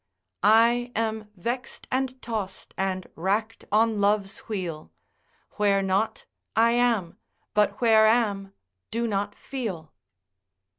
I am vext and toss'd, and rack'd on love's wheel: Where not, I am; but where am, do not feel.